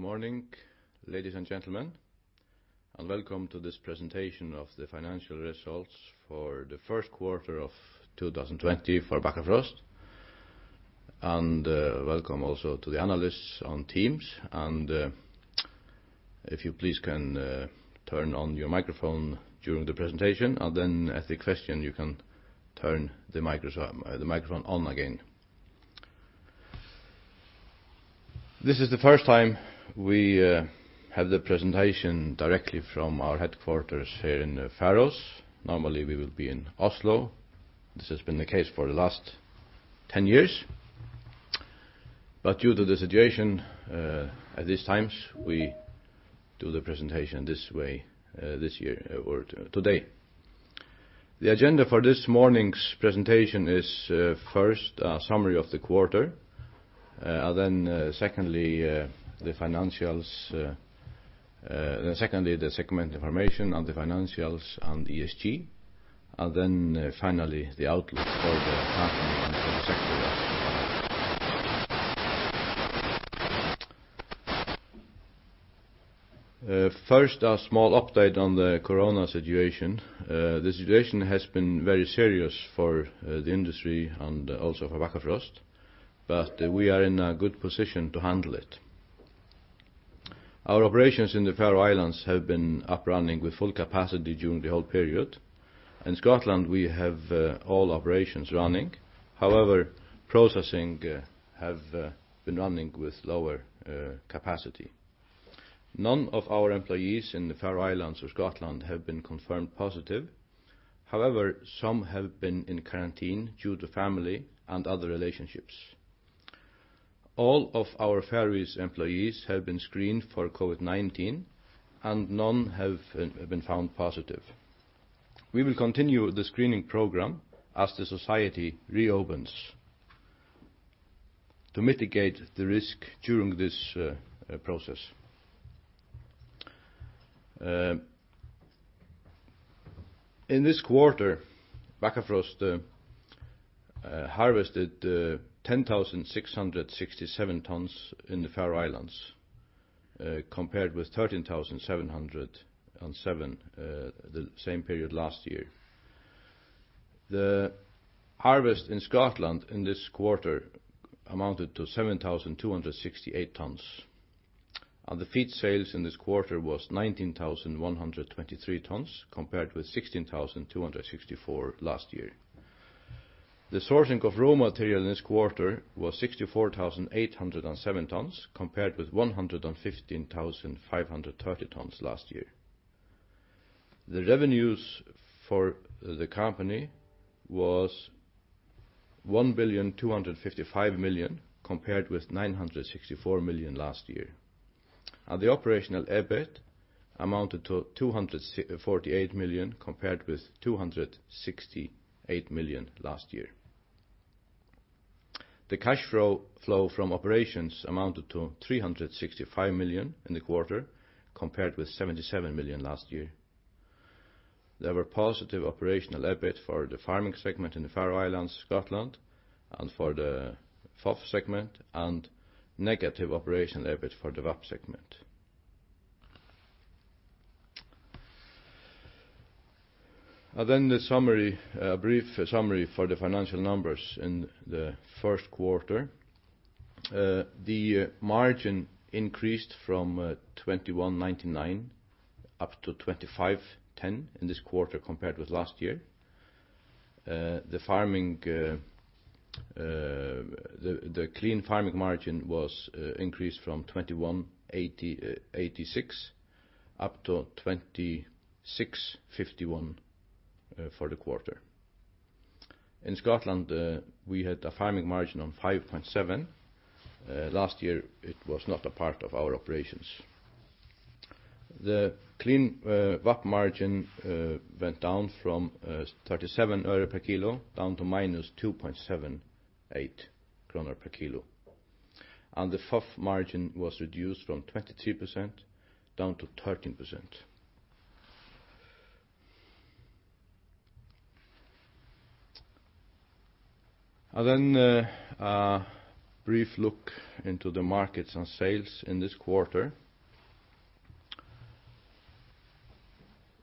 Good morning, ladies and gentlemen, and welcome to this presentation of the financial results for the Q1 of 2020 for Bakkafrost, and welcome also to the analysts on Teams. And if you please can turn on your microphone during the presentation, and then at the question you can turn the microphone on again. This is the first time we have the presentation directly from our headquarters here in the Faroes. Normally, we will be in Oslo. This has been the case for the last 10 years. But due to the situation at these times, we do the presentation this way this year or today. The agenda for this morning's presentation is first a summary of the quarter, and then secondly the financials, then secondly the segment information on the financials and ESG, and then finally the outlook for the sector. First, a small update on the corona situation. The situation has been very serious for the industry and also for Bakkafrost, but we are in a good position to handle it. Our operations in the Faroe Islands have been up and running with full capacity during the whole period. In Scotland, we have all operations running. However, processing have been running with lower capacity. None of our employees in the Faroe Islands or Scotland have been confirmed positive. However, some have been in quarantine due to family and other relationships. All of our facilities' employees have been screened for COVID-19, and none have been found positive. We will continue the screening program as the society reopens to mitigate the risk during this process. In this quarter, Bakkafrost harvested 10,667 tons in the Faroe Islands compared with 13,707 the same period last year. The harvest in Scotland in this quarter amounted to 7,268 tons. The feed sales in this quarter was 19,123 tons compared with 16,264 last year. The sourcing of raw material in this quarter was 64,807 tons compared with 115,530 tons last year. The revenues for the company was 1,255,000,000 compared with 964,000,000 last year. The operational EBIT amounted to 248,000,000 compared with 268,000,000 last year. The cash flow from operations amounted to 365,000,000 in the quarter compared with 77,000,000 last year. There were positive operational EBIT for the farming segment in the Faroe Islands, Scotland, and for the FOF segment, and negative operational EBIT for the VAP segment. Then the summary, a brief summary for the financial numbers in the Q1. The margin increased from 21.99% up to 25.10% in this quarter compared with last year. The clean farming margin was increased from 21.86% up to 26.51% for the quarter. In Scotland, we had a farming margin of 5.7. Last year, it was not a part of our operations. The clean VAP margin went down from 37 euro per kilo down to minus 2.78 kroner per kilo, and the FOF margin was reduced from 23% down to 13%, and then a brief look into the markets and sales in this quarter.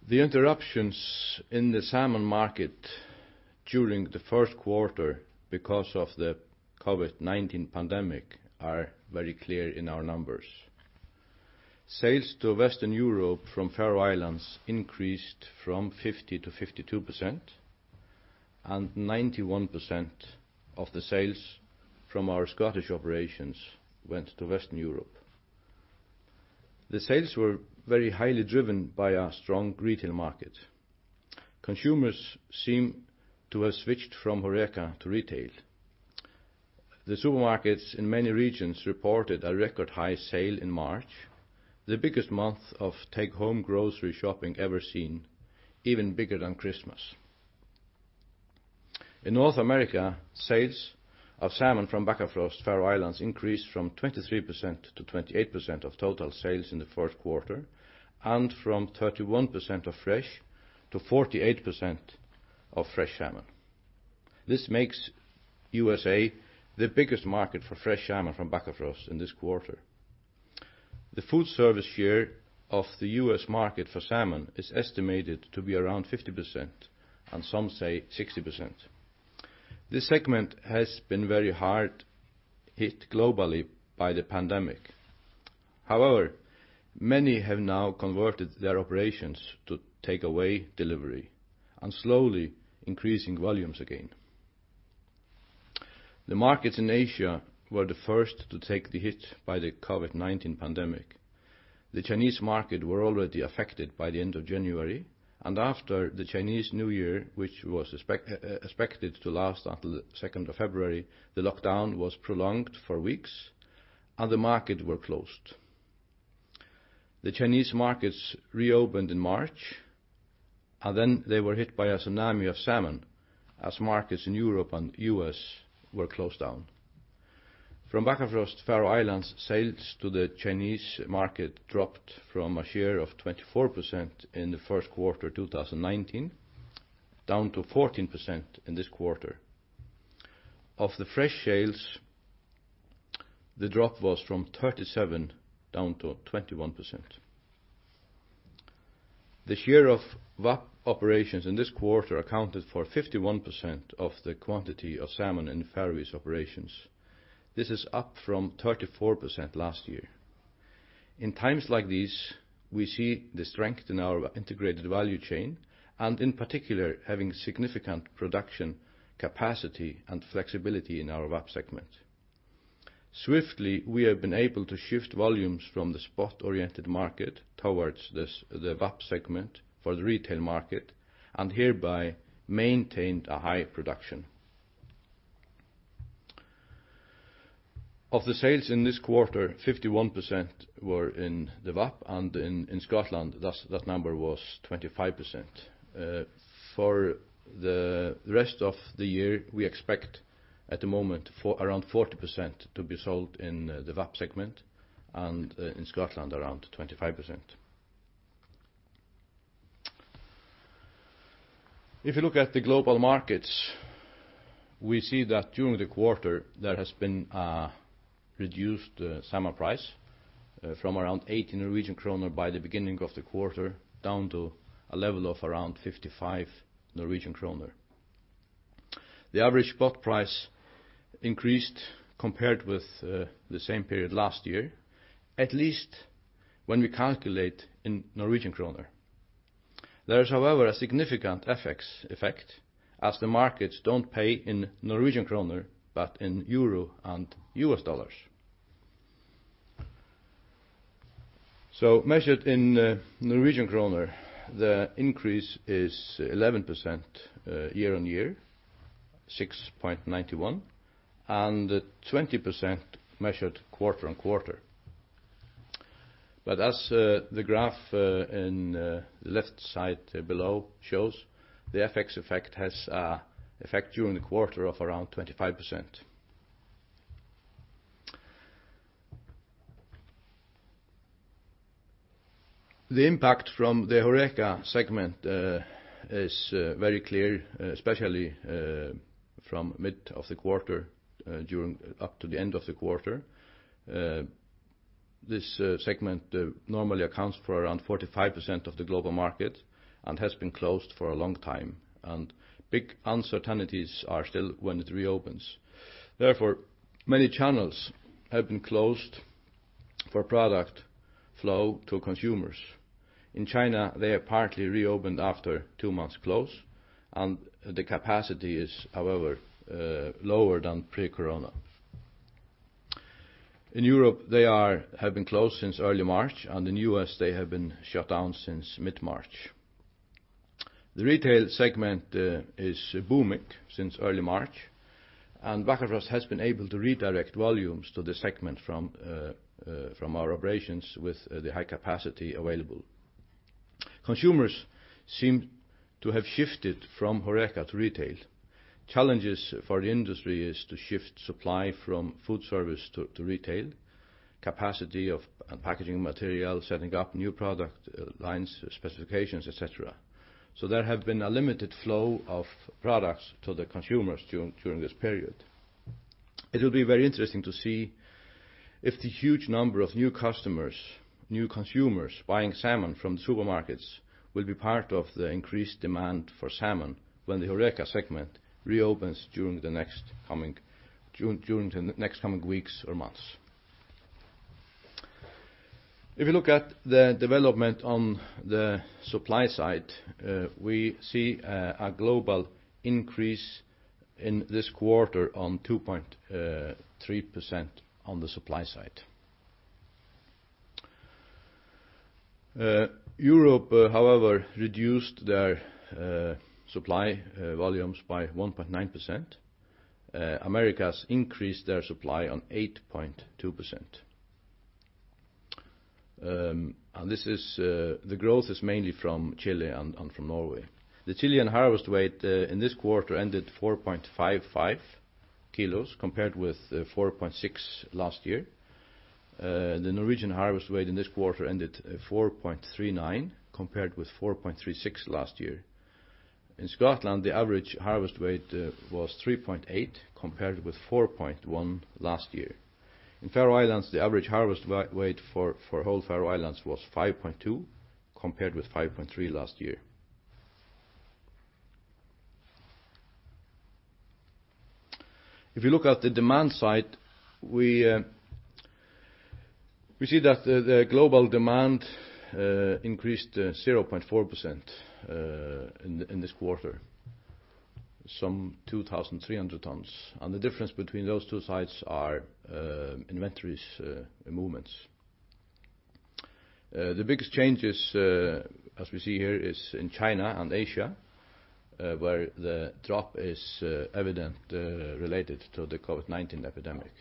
The interruptions in the salmon market during the Q1 because of the COVID-19 pandemic are very clear in our numbers. Sales to Western Europe from Faroe Islands increased from 50% to 52%, and 91% of the sales from our Scottish operations went to Western Europe. The sales were very highly driven by our strong retail market. Consumers seem to have switched from Horeca to retail. The supermarkets in many regions reported a record high sale in March, the biggest month of take-home grocery shopping ever seen, even bigger than Christmas. In North America, sales of salmon from Bakkafrost Faroe Islands increased from 23% to 28% of total sales in the Q1 and from 31% of fresh to 48% of fresh salmon. This makes USA the biggest market for fresh salmon from Bakkafrost in this quarter. The food service share of the US market for salmon is estimated to be around 50%, and some say 60%. This segment has been very hard hit globally by the pandemic. However, many have now converted their operations to take-away delivery and slowly increasing volumes again. The markets in Asia were the first to take the hit by the COVID-19 pandemic. The Chinese market were already affected by the end of January, and after the Chinese New Year, which was expected to last until the 2nd of February, the lockdown was prolonged for weeks, and the markets were closed. The Chinese markets reopened in March, and then they were hit by a tsunami of salmon as markets in Europe and the U.S. were closed down. From Bakkafrost, Faroe Islands' sales to the Chinese market dropped from a share of 24% in the Q1 2019 down to 14% in this quarter. Of the fresh sales, the drop was from 37% down to 21%. The share of VAP operations in this quarter accounted for 51% of the quantity of salmon in the Faroese operations. This is up from 34% last year. In times like these, we see the strength in our integrated value chain and, in particular, having significant production capacity and flexibility in our VAP segment. Swiftly, we have been able to shift volumes from the spot-oriented market towards the VAP segment for the retail market and hereby maintained a high production. Of the sales in this quarter, 51% were in the VAP, and in Scotland, that number was 25%. For the rest of the year, we expect at the moment around 40% to be sold in the VAP segment and in Scotland around 25%. If you look at the global markets, we see that during the quarter, there has been a reduced salmon price from around 80 Norwegian kroner by the beginning of the quarter down to a level of around 55 Norwegian kroner. The average spot price increased compared with the same period last year, at least when we calculate in Norwegian kroner. There is, however, a significant effect as the markets don't pay in Norwegian kroner but in euro and US dollars, so measured in Norwegian kroner, the increase is 11% year on year, 6.91, and 20% measured quarter on quarter, but as the graph in the left side below shows, the FX effect has had an effect during the quarter of around 25%. The impact from the Horeca segment is very clear, especially from mid of the quarter up to the end of the quarter. This segment normally accounts for around 45% of the global market and has been closed for a long time, and big uncertainties are still when it reopens. Therefore, many channels have been closed for product flow to consumers. In China, they have partly reopened after two months close, and the capacity is, however, lower than pre-corona. In Europe, they have been closed since early March, and in the US, they have been shut down since mid-March. The retail segment is booming since early March, and Bakkafrost has been able to redirect volumes to the segment from our operations with the high capacity available. Consumers seem to have shifted from Horeca to retail. Challenges for the industry is to shift supply from food service to retail, capacity of packaging material, setting up new product lines, specifications, etc. So there have been a limited flow of products to the consumers during this period. It will be very interesting to see if the huge number of new customers, new consumers buying salmon from the supermarkets will be part of the increased demand for salmon when the Horeca segment reopens during the next coming weeks or months. If you look at the development on the supply side, we see a global increase in this quarter on 2.3% on the supply side. Europe, however, reduced their supply volumes by 1.9%. America has increased their supply on 8.2%, and the growth is mainly from Chile and from Norway. The Chilean harvest weight in this quarter ended 4.55 kilos compared with 4.6 last year. The Norwegian harvest weight in this quarter ended 4.39 compared with 4.36 last year. In Scotland, the average harvest weight was 3.8 compared with 4.1 last year. In Faroe Islands, the average harvest weight for whole fish in Faroe Islands was 5.2 compared with 5.3 last year. If you look at the demand side, we see that the global demand increased 0.4% in this quarter, some 2,300 tons. The difference between those two sides are inventory movements. The biggest changes, as we see here, is in China and Asia, where the drop is evident related to the COVID-19 epidemic.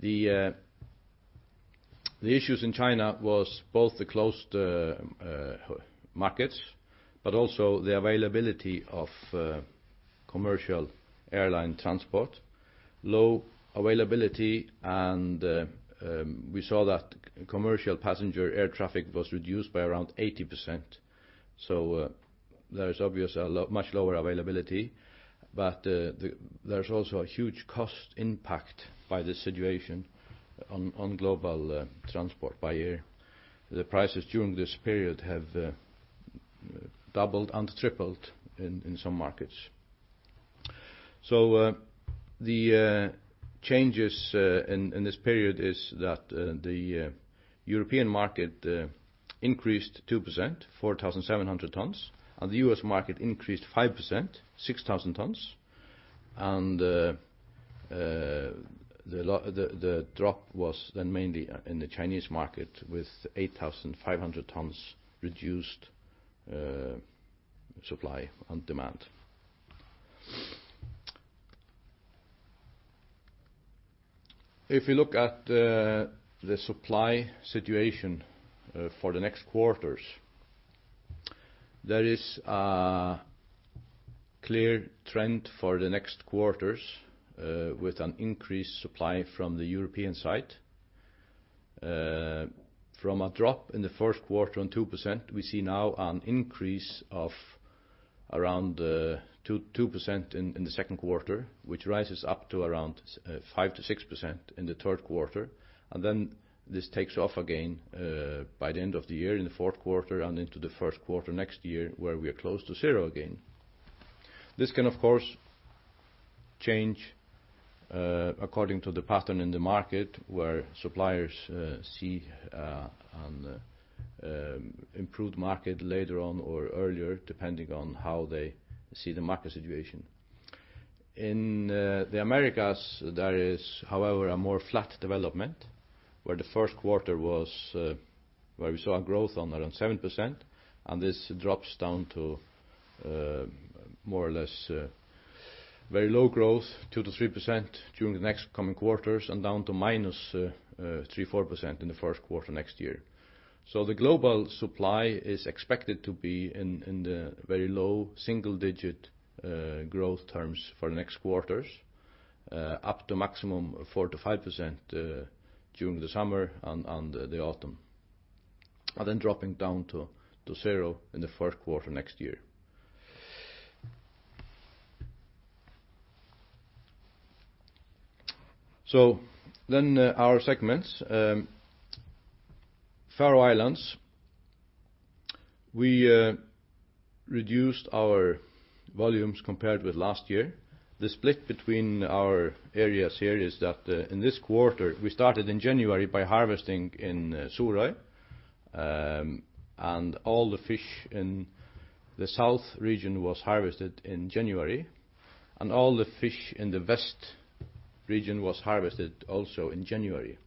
The issues in China was both the closed markets but also the availability of commercial airline transport, low availability, and we saw that commercial passenger air traffic was reduced by around 80%. There is obviously a much lower availability, but there's also a huge cost impact by this situation on global transport by air. The prices during this period have doubled and tripled in some markets. So the changes in this period is that the European market increased 2%, 4,700 tons, and the US market increased 5%, 6,000 tons, and the drop was then mainly in the Chinese market with 8,500 tons reduced supply and demand. If you look at the supply situation for the next quarters, there is a clear trend for the next quarters with an increased supply from the European side. From a drop in the Q1 on 2%, we see now an increase of around 2% in the Q2, which rises up to around 5%-6% in the Q3, and then this takes off again by the end of the year in the Q4 and into the Q1 next year where we are close to zero again. This can, of course, change according to the pattern in the market where suppliers see an improved market later on or earlier depending on how they see the market situation. In the Americas, there is, however, a more flat development where the Q1 was where we saw a growth on around 7%, and this drops down to more or less very low growth, 2%-3% during the next coming quarters and down to -3% to -4% in the Q1 next year. So the global supply is expected to be in the very low single-digit growth terms for the next quarters up to a maximum of 4%-5% during the summer and the autumn, and then dropping down to 0% in the Q1 next year. So then our segments, Faroe Islands, we reduced our volumes compared with last year. The split between our areas here is that in this quarter, we started in January by harvesting in Suðuroy, and all the fish in the south region was harvested in January, and all the fish in the west region was harvested also in January.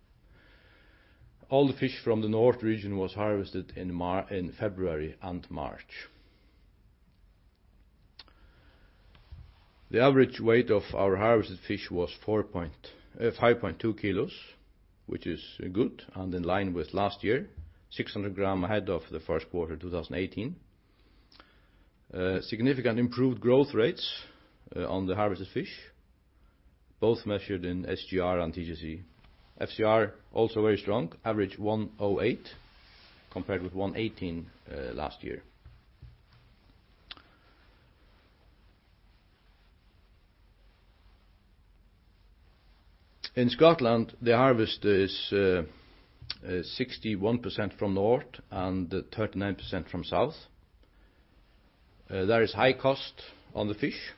All the fish from the north region was harvested in February and March. The average weight of our harvested fish was 5.2 kilos, which is good and in line with last year, 600 grams ahead of the Q1 2018. Significantly improved growth rates on the harvested fish, both measured in SGR and TGC. FCR also very strong, average 108 compared with 118 last year. In Scotland, the harvest is 61% from north and 39% from south. There is high cost on the fish,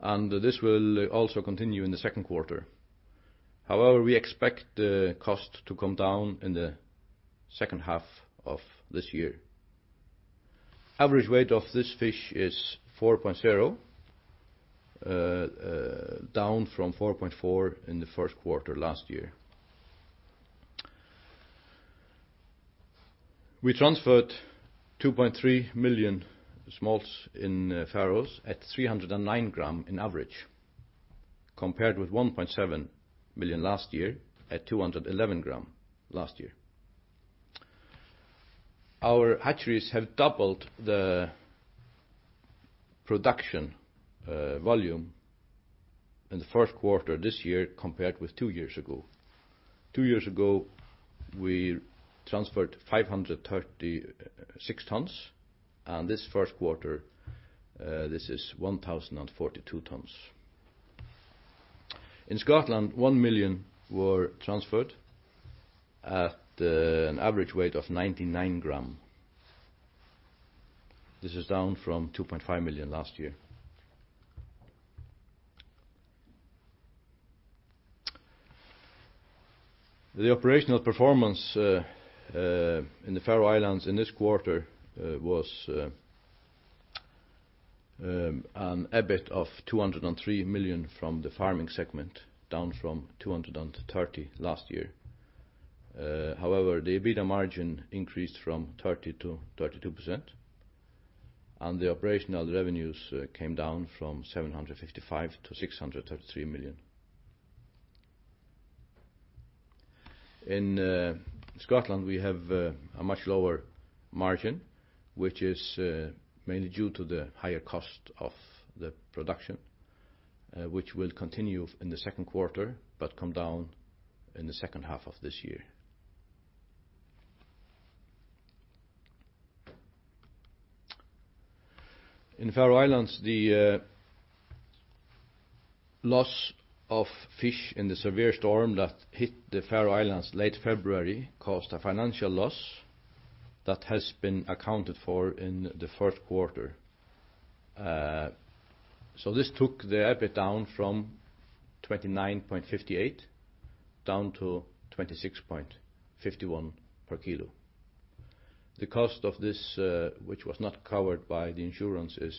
and this will also continue in the Q2. However, we expect the cost to come down in the second half of this year. Average weight of this fish is 4.0, down from 4.4 in the Q1 last year. We transferred 2.3 million smolts in Faroe Islands at 309 grams on average compared with 1.7 million last year at 211 grams last year. Our hatcheries have doubled the production volume in the Q1 this year compared with two years ago. Two years ago, we transferred 536 tons, and this Q1, this is 1,042 tons. In Scotland, one million were transferred at an average weight of 99 grams. This is down from 2.5 million last year. The operational performance in the Faroe Islands in this quarter was an EBIT of 203 million from the farming segment, down from 230 million last year. However, the EBITDA margin increased from 30% to 32%, and the operational revenues came down from 755 million to 633 million. In Scotland, we have a much lower margin, which is mainly due to the higher cost of the production, which will continue in the Q2 but come down in the second half of this year. In Faroe Islands, the loss of fish in the severe storm that hit the Faroe Islands late February caused a financial loss that has been accounted for in the Q1, so this took the EBIT down from 29.58 to 26.51 per kilo. The cost of this, which was not covered by the insurance, is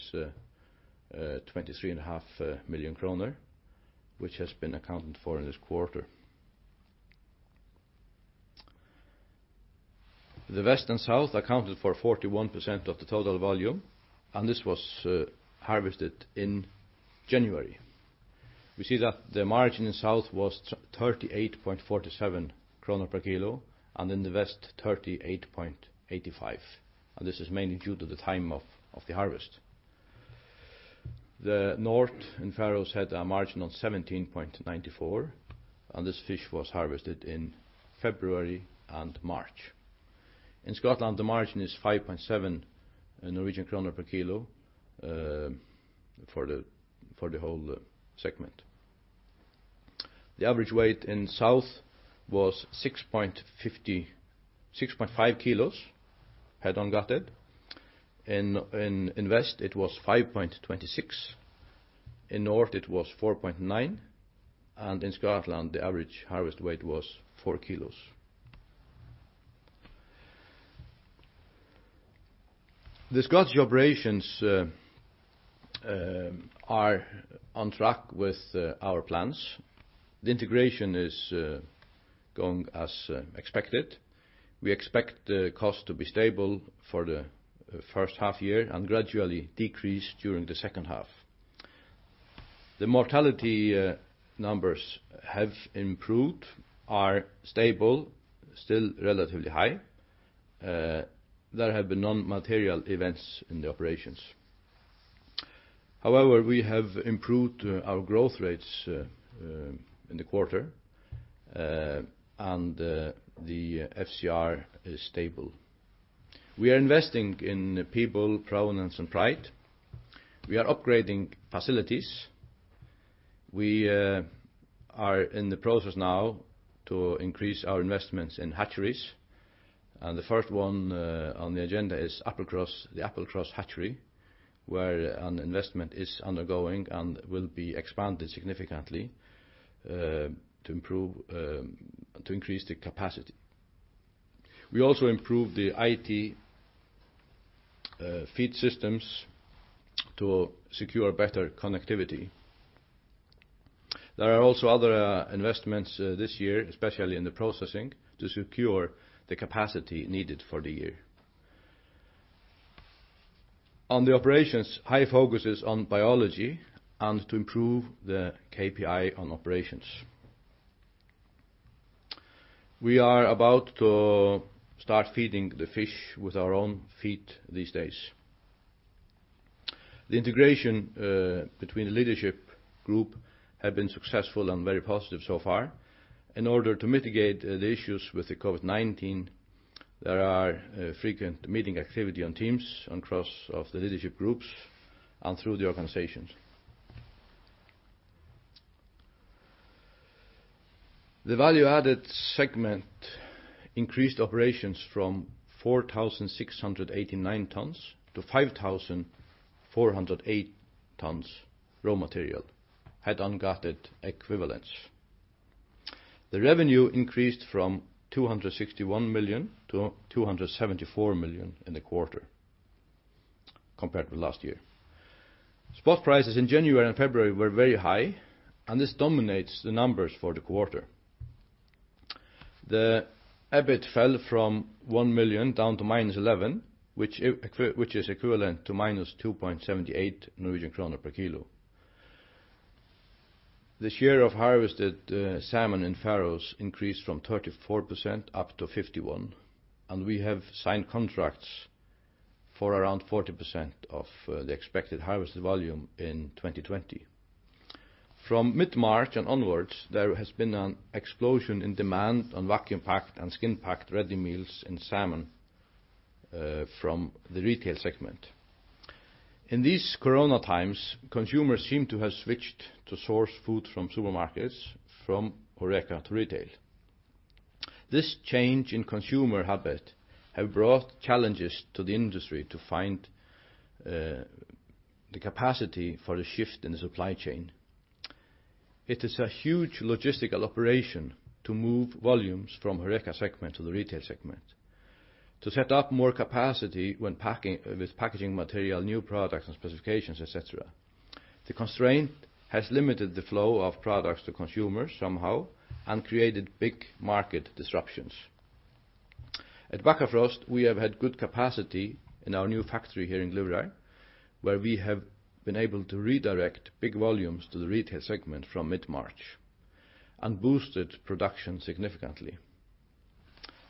23.5 million kroner, which has been accounted for in this quarter. The west and south accounted for 41% of the total volume, and this was harvested in January. We see that the margin in south was 38.47 kroner per kilo, and in the west, 38.85, and this is mainly due to the time of the harvest. The north in Faroes had a margin of 17.94, and this fish was harvested in February and March. In Scotland, the margin is 5.7 Norwegian kroner per kilo for the whole segment. The average weight in south was 6.5 kilos head-on gutted. In west, it was 5.26. In north, it was 4.9, and in Scotland, the average harvest weight was four kilos. The Scottish operations are on track with our plans. The integration is going as expected. We expect the cost to be stable for the first half year and gradually decrease during the second half. The mortality numbers have improved, are stable, still relatively high. There have been no material events in the operations. However, we have improved our growth rates in the quarter, and the FCR is stable. We are investing in people, provenance, and pride. We are upgrading facilities. We are in the process now to increase our investments in hatcheries, and the first one on the agenda is the Applecross Hatchery, where an investment is undergoing and will be expanded significantly to increase the capacity. We also improved the IT feed systems to secure better connectivity. There are also other investments this year, especially in the processing, to secure the capacity needed for the year. On the operations, high focus is on biology and to improve the KPI on operations. We are about to start feeding the fish with our own feed these days. The integration between the leadership group has been successful and very positive so far. In order to mitigate the issues with the COVID-19, there are frequent meeting activity on Teams across the leadership groups and through the organizations. The value-added segment increased operations from 4,689 tons to 5,408 tons raw material head-on gutted equivalents. The revenue increased from 261 to 274 million in the quarter compared with last year. Spot prices in January and February were very high, and this dominates the numbers for the quarter. The EBIT fell from 1 million down to minus 11, which is equivalent to minus 2.78 Norwegian kroner per kilo. The share of harvested salmon in Faroes increased from 34% up to 51%, and we have signed contracts for around 40% of the expected harvested volume in 2020. From mid-March and onwards, there has been an explosion in demand on vacuum-packed and skin-packed ready meals in salmon from the retail segment. In these corona times, consumers seem to have switched to source food from supermarkets from Horeca to retail. This change in consumer habit has brought challenges to the industry to find the capacity for a shift in the supply chain. It is a huge logistical operation to move volumes from Horeca segment to the retail segment, to set up more capacity with packaging material, new products, and specifications, etc. The constraint has limited the flow of products to consumers somehow and created big market disruptions. At Bakkafrost, we have had good capacity in our new factory here in Glyvrar, where we have been able to redirect big volumes to the retail segment from mid-March and boosted production significantly.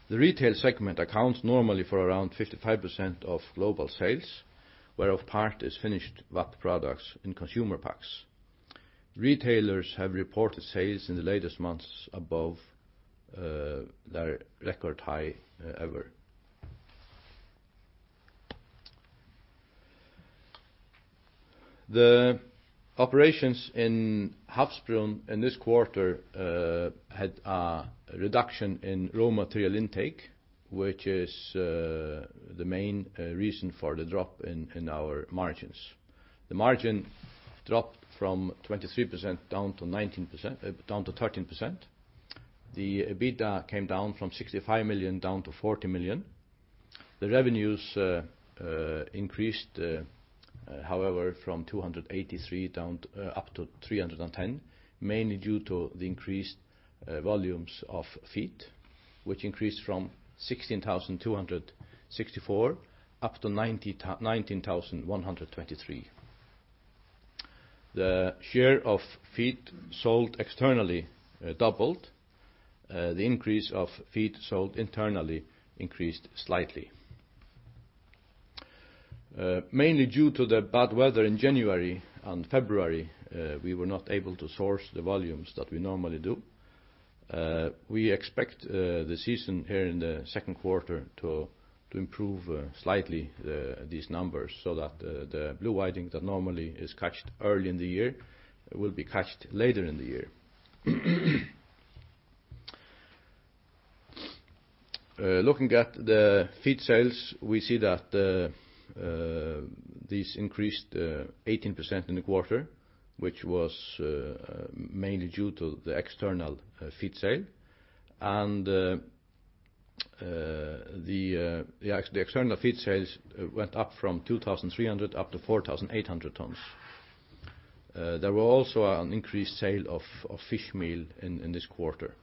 The retail segment accounts normally for around 55% of global sales, where a part is finished wrap products in consumer packs. Retailers have reported sales in the latest months above their record high ever. The operations in Havsbrún in this quarter had a reduction in raw material intake, which is the main reason for the drop in our margins. The margin dropped from 23% down to 13%. The EBITDA came down from 65 million down to 40 million. The revenues increased, however, from 283 million down up to 310 million, mainly due to the increased volumes of feed, which increased from 16,264 up to 19,123. The share of feed sold externally doubled. The increase of feed sold internally increased slightly, mainly due to the bad weather in January and February. We were not able to source the volumes that we normally do. We expect the season here in the Q2 to improve slightly these numbers so that the blue whiting that normally is caught early in the year will be caught later in the year. Looking at the feed sales, we see that these increased 18% in the quarter, which was mainly due to the external feed sale. The external feed sales went up from 2,300 up to 4,800 tons. There were also an increased sale of fish meal in this quarter.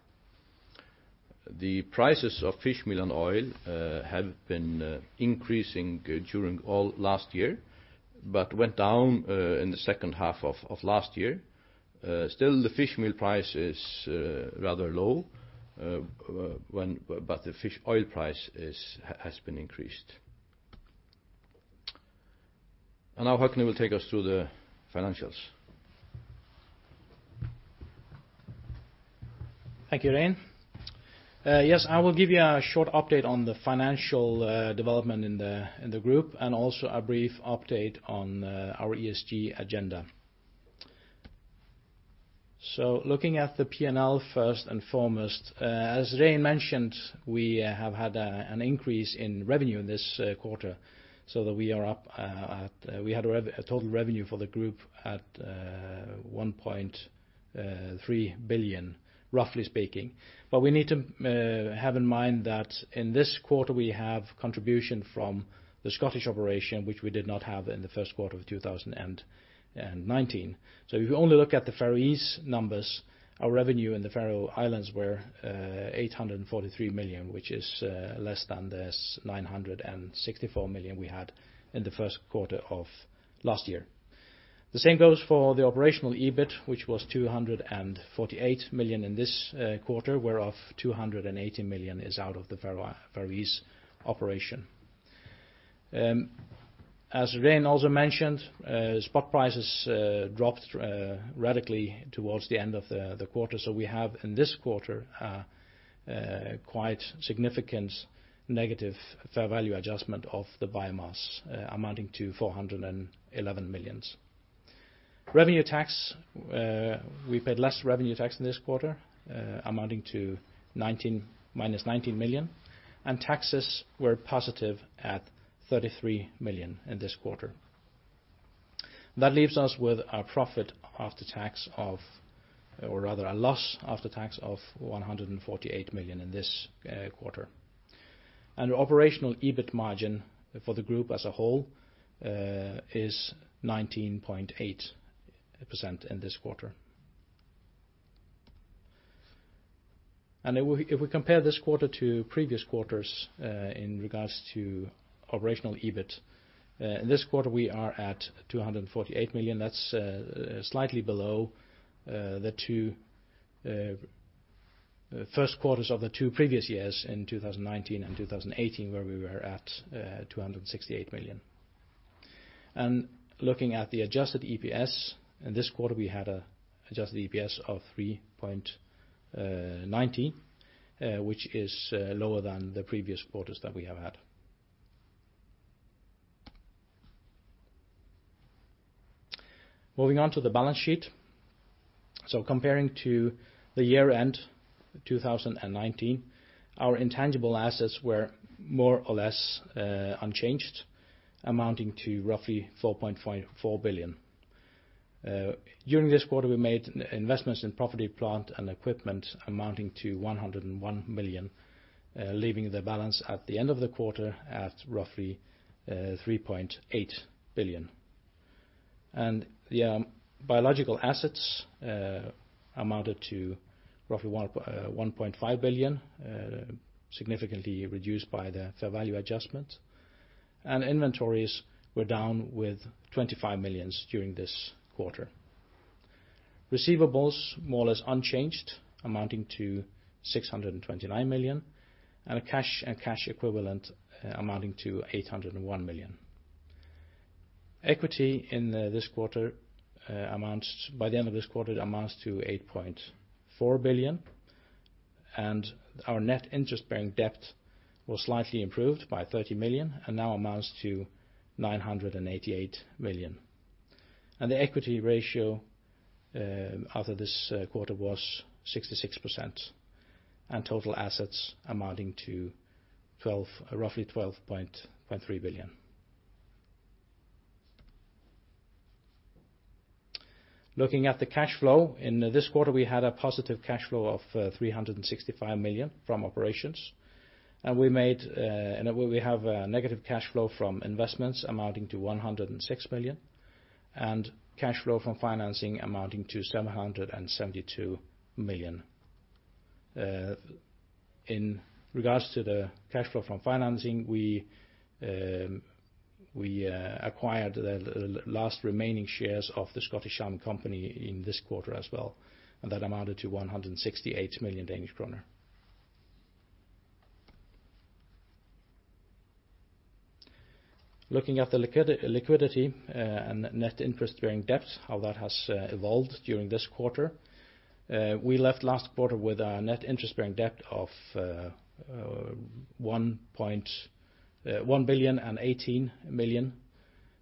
The prices of fish meal and oil have been increasing during all last year but went down in the second half of last year. Still, the fish meal price is rather low, but the fish oil price has been increased. Now, Høgni, you will take us through the financials. Thank you, Regin. Yes, I will give you a short update on the financial development in the group and also a brief update on our ESG agenda. So looking at the P&L first and foremost, as Regin mentioned, we have had an increase in revenue this quarter, so that we are up at we had a total revenue for the group at 1.3 billion, roughly speaking. But we need to have in mind that in this quarter, we have contribution from the Scottish operation, which we did not have in the Q1 of 2019. So if you only look at the Faroese numbers, our revenue in the Faroe Islands were 843 million, which is less than the 964 million we had in the Q1 of last year. The same goes for the operational EBIT, which was 248 million in this quarter, whereof 280 million is out of the Faroese operation. As Regin also mentioned, spot prices dropped radically towards the end of the quarter, so we have in this quarter quite significant negative fair value adjustment of the biomass amounting to 411 million. Income tax, we paid less income tax in this quarter amounting to minus 19 million, and taxes were positive at 33 million in this quarter. That leaves us with a profit after tax of, or rather a loss after tax of 148 million in this quarter. And the operational EBIT margin for the group as a whole is 19.8% in this quarter. And if we compare this quarter to previous quarters in regards to operational EBIT, in this quarter, we are at 248 million. That's slightly below the two Q1 of the two previous years in 2019 and 2018, where we were at 268 million. Looking at the adjusted EPS, in this quarter, we had an adjusted EPS of 3.90, which is lower than the previous quarters that we have had. Moving on to the balance sheet. Comparing to the year-end 2019, our intangible assets were more or less unchanged, amounting to roughly 4.4 billion. During this quarter, we made investments in property, plant and equipment amounting to 101 million, leaving the balance at the end of the quarter at roughly 3.8 billion. The biological assets amounted to roughly 1.5 billion, significantly reduced by the fair value adjustment. Inventories were down with 25 million during this quarter. Receivables more or less unchanged, amounting to 629 million, and cash and cash equivalents amounting to 801 million. Equity in this quarter amounts by the end of this quarter amounts to 8.4 billion, and our net interest-bearing debt was slightly improved by 30 million and now amounts to 988 million. The equity ratio after this quarter was 66%, and total assets amounting to roughly DKK 12.3 billion. Looking at the cash flow, in this quarter, we had a positive cash flow of 365 million from operations, and we have a negative cash flow from investments amounting to 106 million, and cash flow from financing amounting to 772 million. In regards to the cash flow from financing, we acquired the last remaining shares of The Scottish Salmon Company in this quarter as well, and that amounted to 168 million Danish kroner. Looking at the liquidity and net interest-bearing debt, how that has evolved during this quarter, we left last quarter with a net interest-bearing debt of 1.1 billion and 18 million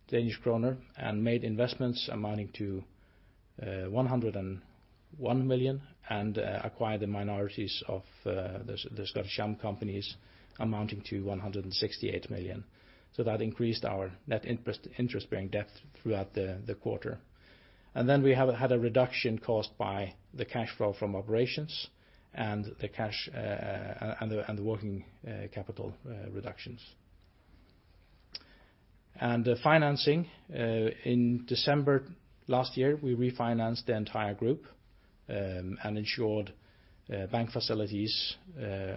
Danish kroner and made investments amounting to 101 million and acquired the minorities of The Scottish Salmon Company amounting to 168 million, so that increased our net interest-bearing debt throughout the quarter, and then we had a reduction caused by the cash flow from operations and the working capital reductions. And financing, in December last year, we refinanced the entire group and ensured bank facilities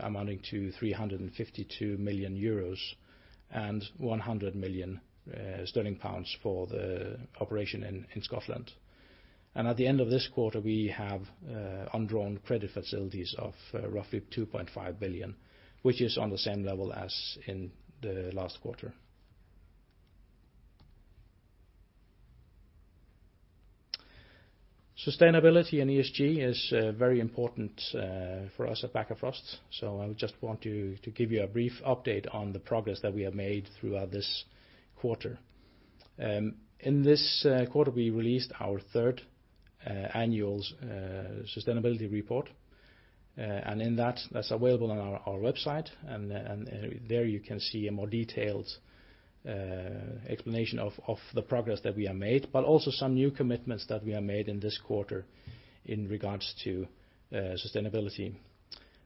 amounting to 352 million euros and 100 million sterling for the operation in Scotland, and at the end of this quarter, we have undrawn credit facilities of roughly 2.5 billion, which is on the same level as in the last quarter. Sustainability and ESG is very important for us at Bakkafrost, so I just want to give you a brief update on the progress that we have made throughout this quarter. In this quarter, we released our third annual sustainability report, and in that, that's available on our website. And there you can see a more detailed explanation of the progress that we have made, but also some new commitments that we have made in this quarter in regards to sustainability.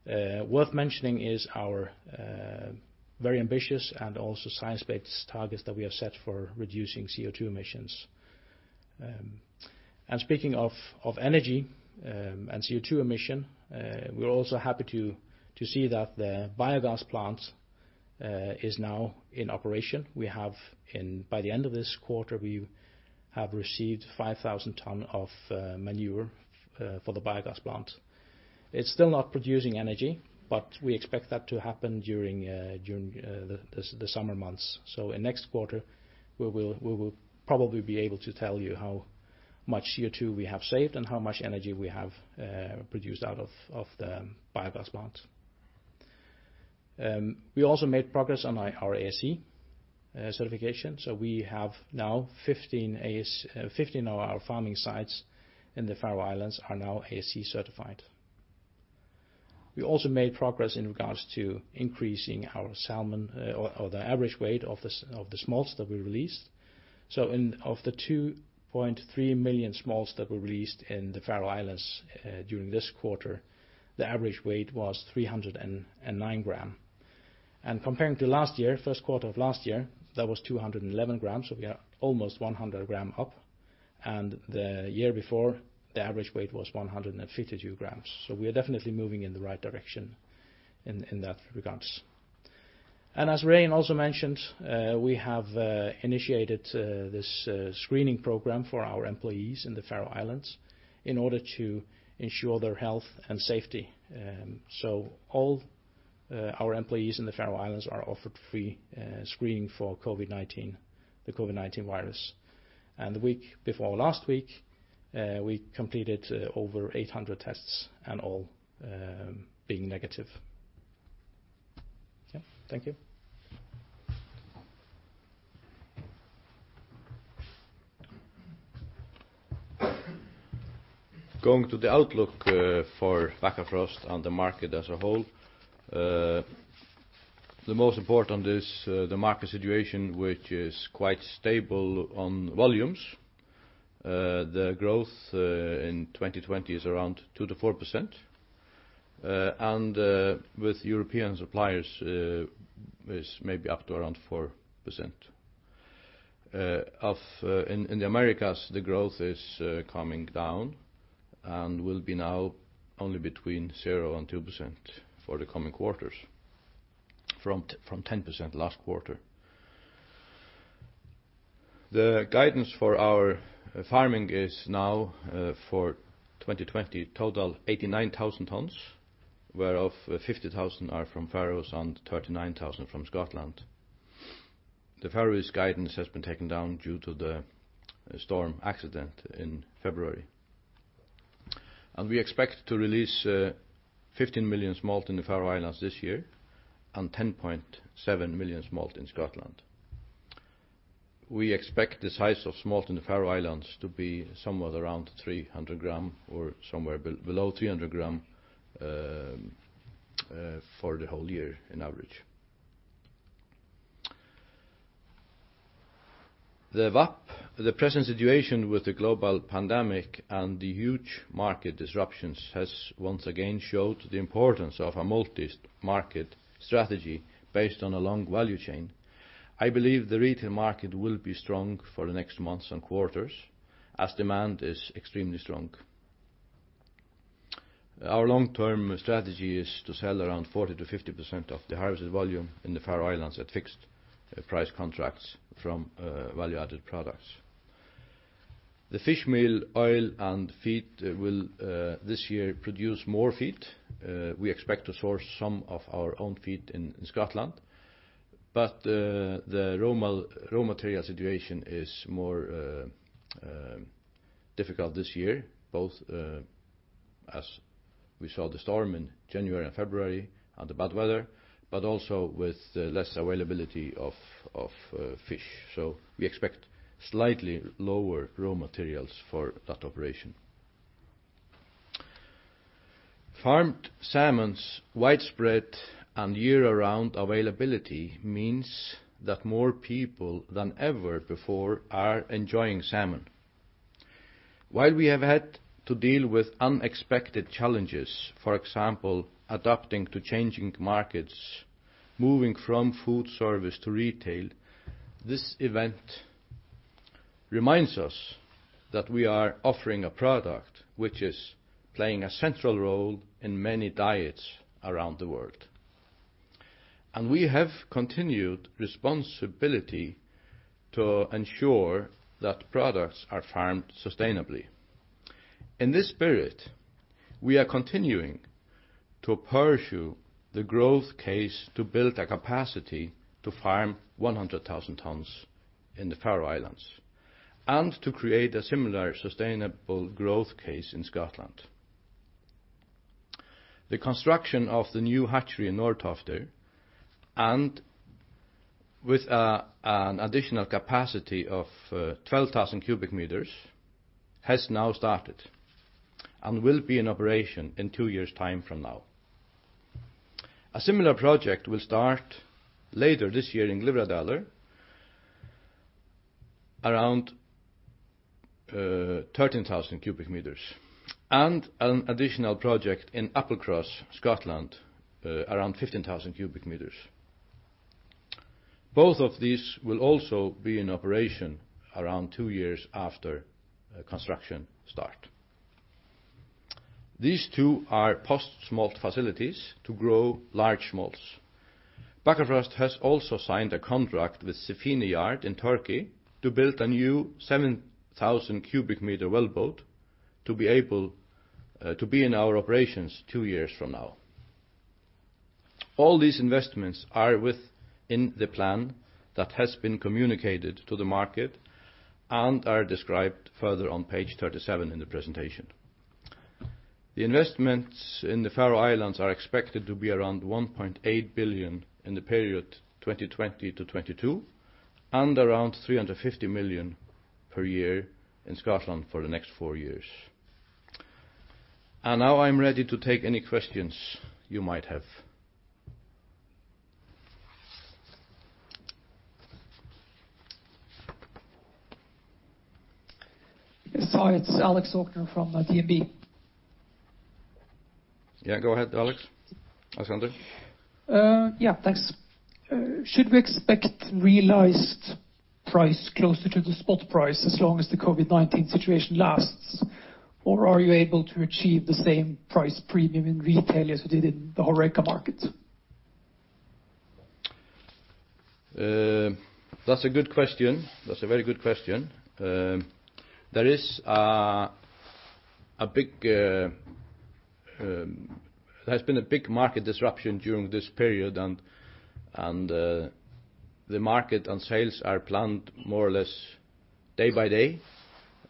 Worth mentioning is our very ambitious and also science-based targets that we have set for reducing CO2 emissions. And speaking of energy and CO2 emission, we're also happy to see that the biogas plant is now in operation. By the end of this quarter, we have received 5,000 tonnes of manure for the biogas plant. It's still not producing energy, but we expect that to happen during the summer months. In next quarter, we will probably be able to tell you how much CO2 we have saved and how much energy we have produced out of the biogas plant. We also made progress on our ASC certification, so we have now 15 of our farming sites in the Faroe Islands are now ASC certified. We also made progress in regards to increasing our salmon or the average weight of the smolts that we released. Of the 2.3 million smolts that were released in the Faroe Islands during this quarter, the average weight was 309 grams. Comparing to last year, Q1 of last year, that was 211 grams, so we are almost 100 grams up, and the year before, the average weight was 152 grams. We are definitely moving in the right direction in that regards. As Regin also mentioned, we have initiated this screening program for our employees in the Faroe Islands in order to ensure their health and safety. All our employees in the Faroe Islands are offered free screening for the COVID-19 virus. The week before last week, we completed over 800 tests and all being negative. Yeah, thank you. Going to the outlook for Bakkafrost and the market as a whole, the most important is the market situation, which is quite stable on volumes. The growth in 2020 is around 2-4%, and with European suppliers, it's maybe up to around 4%. In the Americas, the growth is coming down and will be now only between 0 and 2% for the coming quarters from 10% last quarter. The guidance for our farming is now for 2020, total 89,000 tonnes, whereof 50,000 are from Faroes and 39,000 from Scotland. The Faroese guidance has been taken down due to the storm accident in February. And we expect to release 15 million smolts in the Faroe Islands this year and 10.7 million smolts in Scotland. We expect the size of smolts in the Faroe Islands to be somewhere around 300 grams or somewhere below 300 grams for the whole year in average. The present situation with the global pandemic and the huge market disruptions has once again showed the importance of a multi-market strategy based on a long value chain. I believe the retail market will be strong for the next months and quarters as demand is extremely strong. Our long-term strategy is to sell around 40%-50% of the harvested volume in the Faroe Islands at fixed price contracts from value-added products. The fish meal, oil, and feed will this year produce more feed. We expect to source some of our own feed in Scotland, but the raw material situation is more difficult this year, both as we saw the storm in January and February and the bad weather, but also with less availability of fish. So we expect slightly lower raw materials for that operation. Farmed salmon's widespread and year-round availability means that more people than ever before are enjoying salmon. While we have had to deal with unexpected challenges, for example, adapting to changing markets, moving from food service to retail, this event reminds us that we are offering a product which is playing a central role in many diets around the world. And we have continued responsibility to ensure that products are farmed sustainably. In this spirit, we are continuing to pursue the growth case to build a capacity to farm 100,000 tonnes in the Faroe Islands and to create a similar sustainable growth case in Scotland. The construction of the new hatchery in Norðtoftir, and with an additional capacity of 12,000 cubic meters, has now started and will be in operation in two years' time from now. A similar project will start later this year in Glyvradal, around 13,000 cubic meters, and an additional project in Applecross, Scotland, around 15,000 cubic meters. Both of these will also be in operation around two years after construction start. These two are post-smolt facilities to grow large smolts. Bakkafrost has also signed a contract with Sefine Shipyard in Turkey to build a new 7,000 cubic meter well boat to be able to be in our operations two years from now. All these investments are within the plan that has been communicated to the market and are described further on page 37 in the presentation. The investments in the Faroe Islands are expected to be around 1.8 billion in the period 2020 to 2022 and around 350 million per year in Scotland for the next four years. And now I'm ready to take any questions you might have. Hi, it's Alexander Aukner from DNB. Yeah, go ahead, Alex. Alexander. Yeah, thanks. Should we expect realized price closer to the spot price as long as the COVID-19 situation lasts, or are you able to achieve the same price premium in retail as you did in the Horeca market? That's a good question. That's a very good question. There has been a big market disruption during this period, and the market and sales are planned more or less day by day.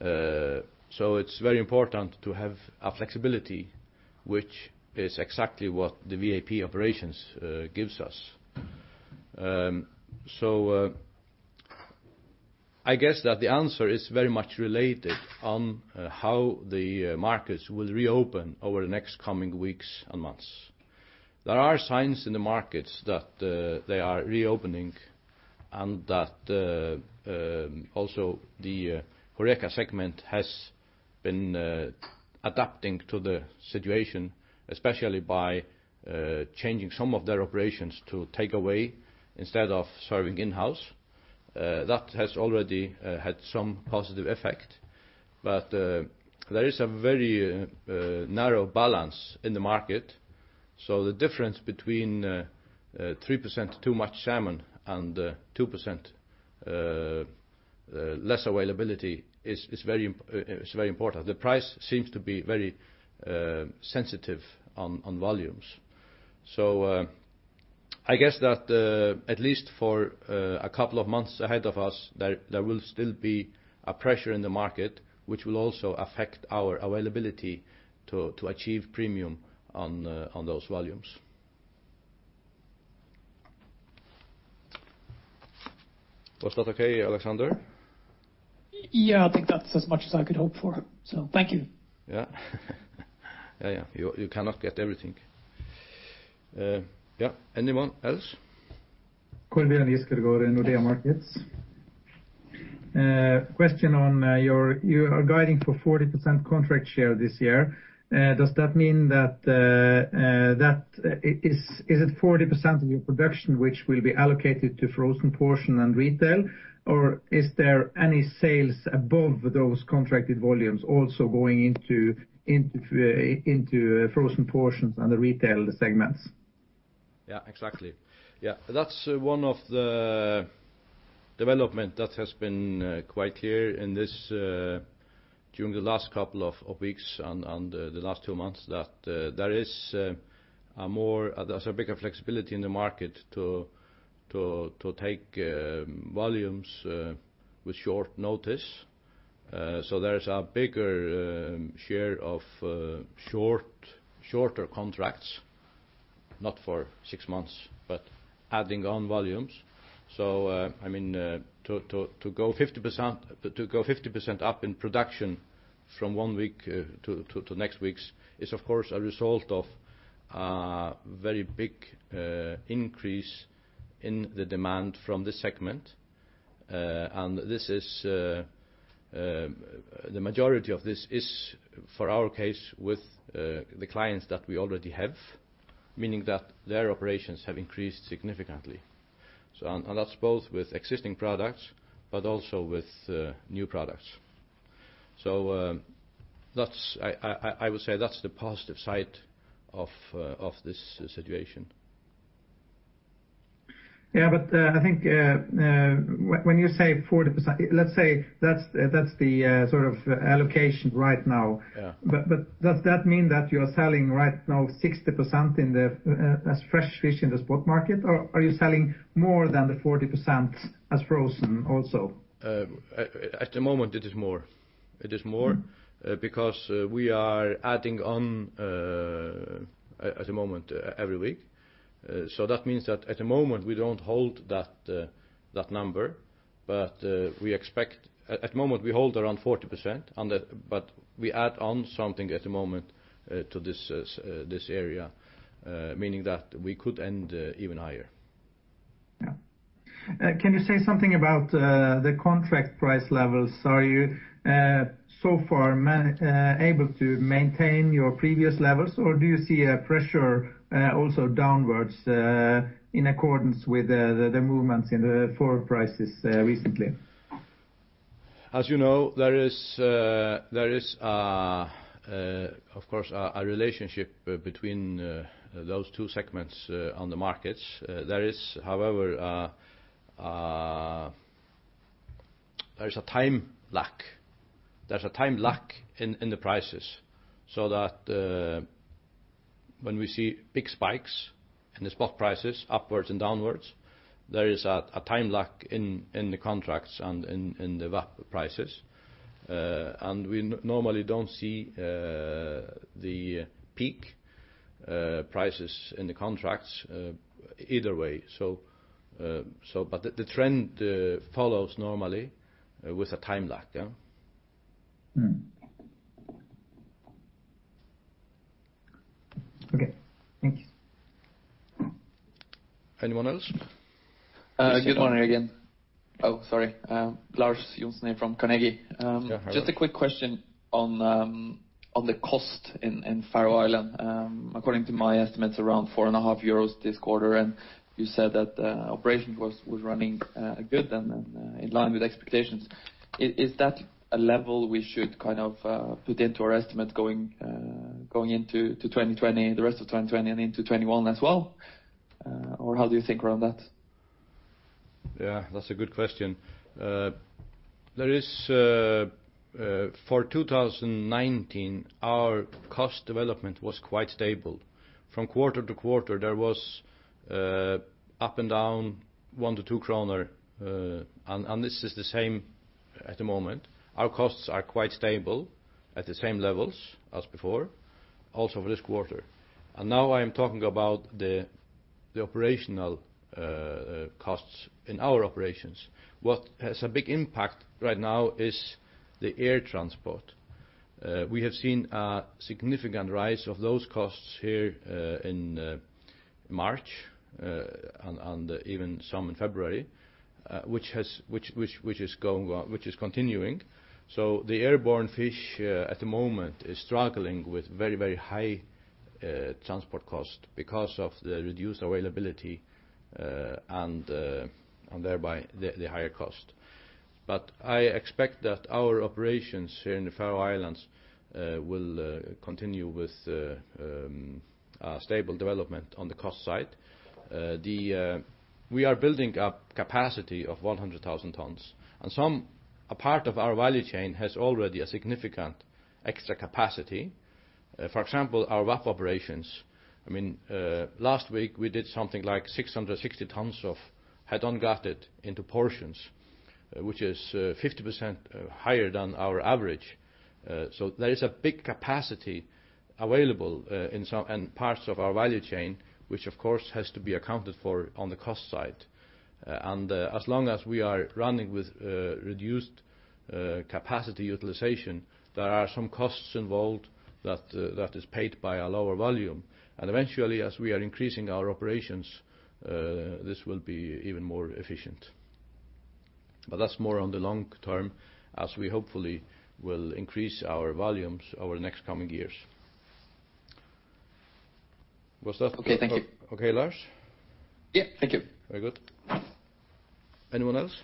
So it's very important to have a flexibility, which is exactly what the VAP operations gives us. So I guess that the answer is very much related on how the markets will reopen over the next coming weeks and months. There are signs in the markets that they are reopening and that also the Horeca segment has been adapting to the situation, especially by changing some of their operations to take away instead of serving in-house. That has already had some positive effect, but there is a very narrow balance in the market. So the difference between 3% too much salmon and 2% less availability is very important. The price seems to be very sensitive on volumes. So I guess that at least for a couple of months ahead of us, there will still be a pressure in the market, which will also affect our availability to achieve premium on those volumes. Was that okay, Alexander? Yeah, I think that's as much as I could hope for, so thank you. Yeah. Yeah, yeah. You cannot get everything. Yeah, anyone else? Kolbjørn Giskeødegård, Nordea Markets. Question on your guiding for 40% contract share this year. Does that mean that it is 40% of your production which will be allocated to frozen portion and retail, or is there any sales above those contracted volumes also going into frozen portions and the retail segments? Yeah, exactly. Yeah, that's one of the developments that has been quite clear in this during the last couple of weeks and the last two months that there is more. There's a bigger flexibility in the market to take volumes with short notice. So there is a bigger share of shorter contracts, not for six months, but adding on volumes. So I mean, to go 50% up in production from one week to next weeks is, of course, a result of a very big increase in the demand from the segment. And the majority of this is, for our case, with the clients that we already have, meaning that their operations have increased significantly. And that's both with existing products but also with new products. So that's, I would say, that's the positive side of this situation. Yeah, but I think when you say 40%, let's say that's the sort of allocation right now. But does that mean that you are selling right now 60% as fresh fish in the spot market, or are you selling more than the 40% as frozen also? At the moment, it is more. It is more because we are adding on at the moment every week. So that means that at the moment, we don't hold that number, but we expect at the moment, we hold around 40%, but we add on something at the moment to this area, meaning that we could end even higher. Yeah. Can you say something about the contract price levels? Are you so far able to maintain your previous levels, or do you see a pressure also downwards in accordance with the movements in the forward prices recently? As you know, there is, of course, a relationship between those two segments on the markets. There is, however, a time lack. There's a time lack in the prices so that when we see big spikes in the spot prices upwards and downwards, there is a time lack in the contracts and in the prices. And we normally don't see the peak prices in the contracts either way. So but the trend follows normally with a time lack. Okay. Thank you. Anyone else? Good morning again. Oh, sorry. Lars Johnsen here from Carnegie. Just a quick question on the cost in Faroe Islands. According to my estimates, around 4.5 euros this quarter, and you said that the operation was running good and in line with expectations. Is that a level we should kind of put into our estimates going into 2020, the rest of 2020, and into 2021 as well? Or how do you think around that? Yeah, that's a good question. There is for 2019, our cost development was quite stable. From quarter to quarter, there was up and down 1-2 kroner, and this is the same at the moment. Our costs are quite stable at the same levels as before, also for this quarter. And now I am talking about the operational costs in our operations. What has a big impact right now is the air transport. We have seen a significant rise of those costs here in March and even some in February, which is continuing. So the airborne fish at the moment is struggling with very, very high transport cost because of the reduced availability and thereby the higher cost. But I expect that our operations here in the Faroe Islands will continue with stable development on the cost side. We are building up capacity of 100,000 tonnes, and some part of our value chain has already a significant extra capacity. For example, our VAP operations, I mean, last week, we did something like 660 tonnes of head-on gutted into portions, which is 50% higher than our average. So there is a big capacity available in some parts of our value chain, which, of course, has to be accounted for on the cost side. And as long as we are running with reduced capacity utilization, there are some costs involved that is paid by a lower volume. And eventually, as we are increasing our operations, this will be even more efficient. But that's more on the long term as we hopefully will increase our volumes over the next coming years. Was that okay? Okay, Lars? Yeah, thank you. Very good. Anyone else?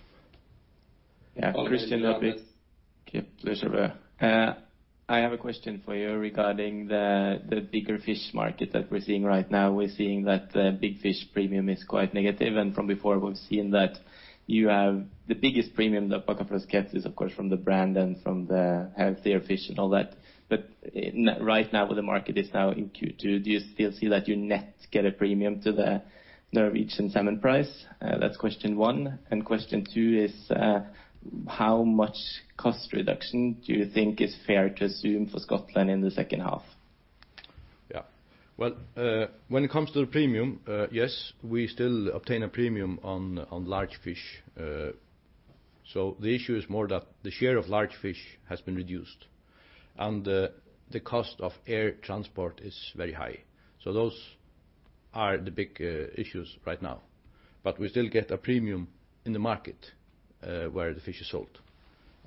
Yeah, Christian Nordby. Kepler Cheuvreux. I have a question for you regarding the bigger fish market that we're seeing right now. We're seeing that the big fish premium is quite negative, and from before, we've seen that you have the biggest premium that Bakkafrost gets is, of course, from the brand and from the healthier fish and all that. But right now, the market is now in Q2. Do you still see that you net get a premium to the Norwegian salmon price? That's question one. And question two is how much cost reduction do you think is fair to assume for Scotland in the second half? Yeah. Well, when it comes to the premium, yes, we still obtain a premium on large fish. So the issue is more that the share of large fish has been reduced, and the cost of air transport is very high. So those are the big issues right now. But we still get a premium in the market where the fish is sold.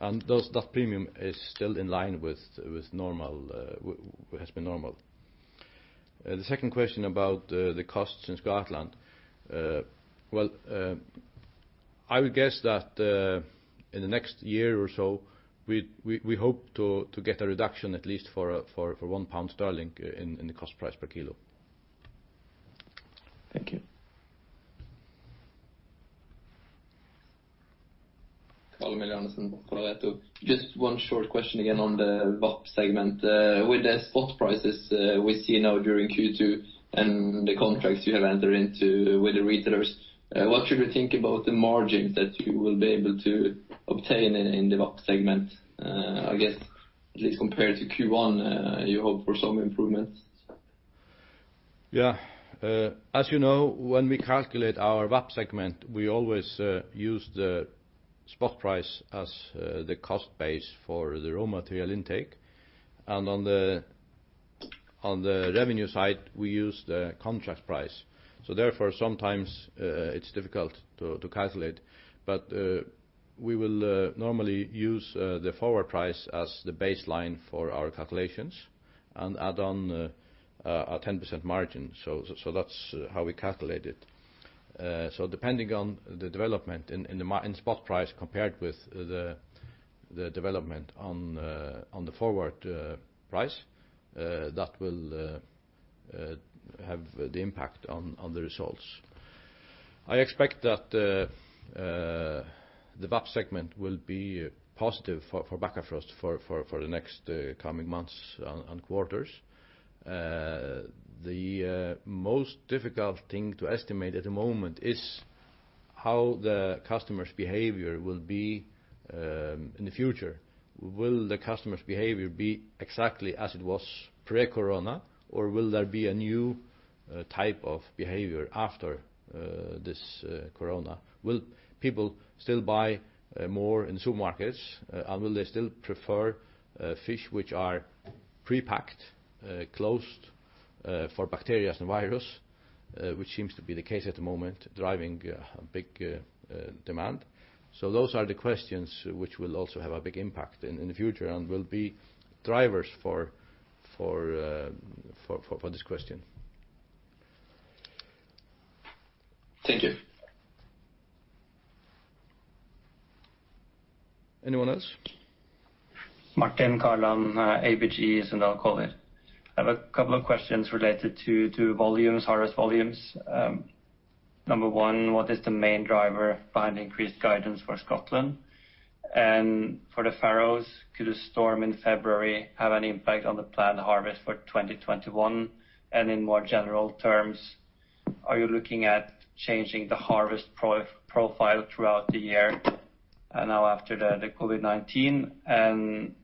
And that premium is still in line with what has been normal. The second question about the costs in Scotland, well, I would guess that in the next year or so, we hope to get a reduction at least for one pound sterling in the cost price per kilo. Carl-Emil Johannessen, Pareto. Just one short question again on the VAP segment. With the spot prices we see now during Q2 and the contracts you have entered into with the retailers, what should we think about the margins that you will be able to obtain in the VAP segment? I guess at least compared to Q1, you hope for some improvements. Yeah. As you know, when we calculate our VAP segment, we always use the spot price as the cost base for the raw material intake. And on the revenue side, we use the contract price. So therefore, sometimes it's difficult to calculate. But we will normally use the forward price as the baseline for our calculations and add on a 10% margin. So that's how we calculate it. So depending on the development in spot price compared with the development on the forward price, that will have the impact on the results. I expect that the VAP segment will be positive for Bakkafrost for the next coming months and quarters. The most difficult thing to estimate at the moment is how the customer's behavior will be in the future. Will the customer's behavior be exactly as it was pre-Corona, or will there be a new type of behavior after this Corona? Will people still buy more in supermarkets, and will they still prefer fish which are pre-packed, closed for bacteria and virus, which seems to be the case at the moment, driving a big demand? So those are the questions which will also have a big impact in the future and will be drivers for this question. Anyone else? Martin Kaland, ABG Sundal Collier here. I have a couple of questions related to volumes, harvest volumes. Number one, what is the main driver behind increased guidance for Scotland? And for the Faroes, could a storm in February have an impact on the planned harvest for 2021? And in more general terms, are you looking at changing the harvest profile throughout the year now after the COVID-19? And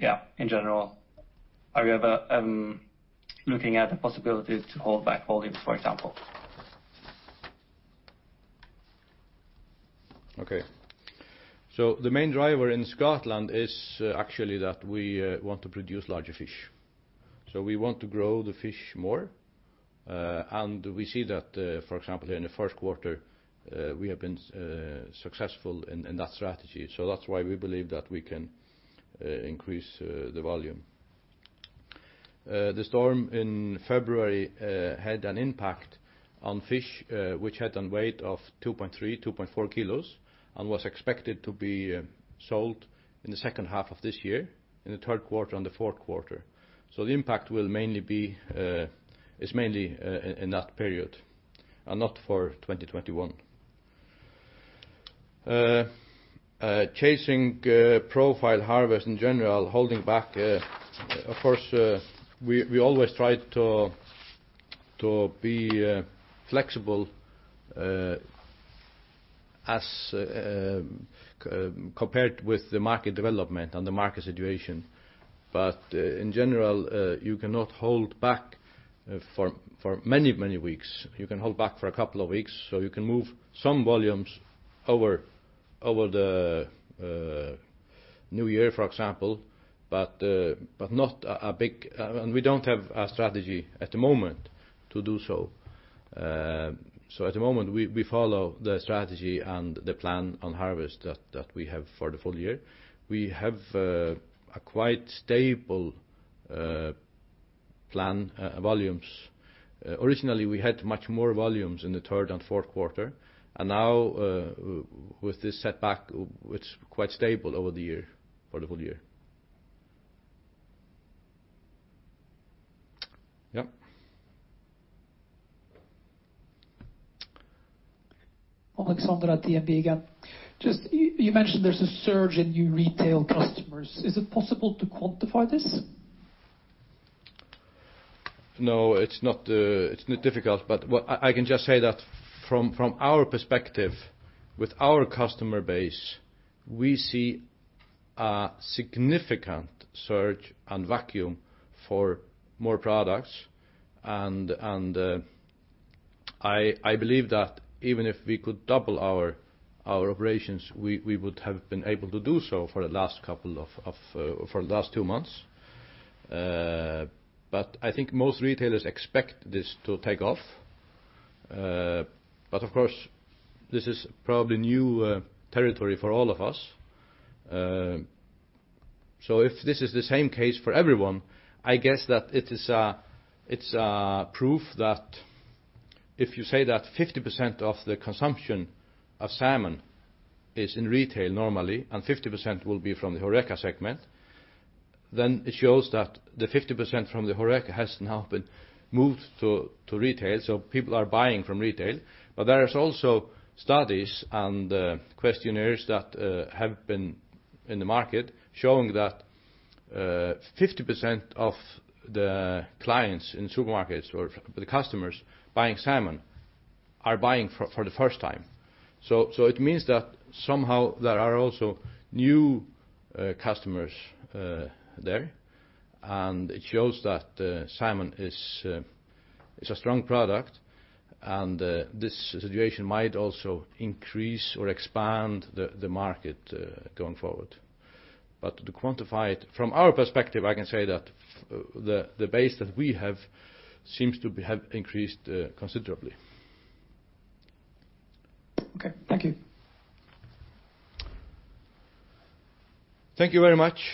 yeah, in general, are you looking at the possibility to hold back volumes, for example? Okay. So the main driver in Scotland is actually that we want to produce larger fish. So we want to grow the fish more. And we see that, for example, here in the Q1, we have been successful in that strategy. So that's why we believe that we can increase the volume. The storm in February had an impact on fish, which had a weight of 2.3-2.4 kilos, and was expected to be sold in the second half of this year, in the Q3, and the Q4. So the impact will mainly be in that period and not for 2021. The harvest profile in general, holding back, of course, we always try to be flexible as compared with the market development and the market situation. But in general, you cannot hold back for many, many weeks. You can hold back for a couple of weeks, so you can move some volumes over the new year, for example, but not a big and we don't have a strategy at the moment to do so, so at the moment, we follow the strategy and the plan on harvest that we have for the full year. We have a quite stable planned volumes. Originally, we had much more volumes in the third and Q4, and now, with this setback, it's quite stable over the year for the full year. Yeah. Alexander at DNB again. Just you mentioned there's a surge in new retail customers. Is it possible to quantify this? No, it's not difficult. But I can just say that from our perspective, with our customer base, we see a significant surge and vacuum for more products. And I believe that even if we could double our operations, we would have been able to do so for the last two months. But I think most retailers expect this to take off. But of course, this is probably new territory for all of us. So if this is the same case for everyone, I guess that it is proof that if you say that 50% of the consumption of salmon is in retail normally and 50% will be from the Horeca segment. Then it shows that the 50% from the Horeca has now been moved to retail. So people are buying from retail. But there are also studies and questionnaires that have been in the market showing that 50% of the clients in supermarkets or the customers buying salmon are buying for the first time. So it means that somehow there are also new customers there. And it shows that salmon is a strong product. And this situation might also increase or expand the market going forward. But to quantify it, from our perspective, I can say that the base that we have seems to have increased considerably. Okay. Thank you. Thank you very much.